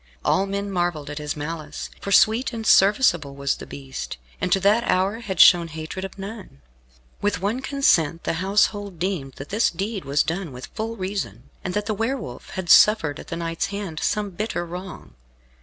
All men marvelled at his malice, for sweet and serviceable was the beast, and to that hour had shown hatred of none. With one consent the household deemed that this deed was done with full reason, and that the Wolf had suffered at the knight's hand some bitter wrong.